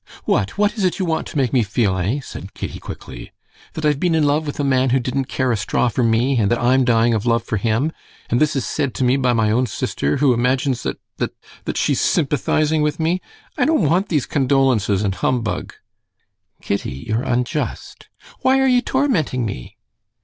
"What, what is it you want to make me feel, eh?" said Kitty quickly. "That I've been in love with a man who didn't care a straw for me, and that I'm dying of love for him? And this is said to me by my own sister, who imagines that ... that ... that she's sympathizing with me!... I don't want these condolences and humbug!" "Kitty, you're unjust." "Why are you tormenting me?"